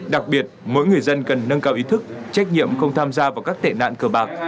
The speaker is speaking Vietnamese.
đặc biệt mỗi người dân cần nâng cao ý thức trách nhiệm không tham gia vào các tệ nạn cờ bạc